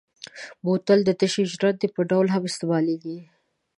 بوتل د تشې ژرندې په ډول هم استعمالېږي.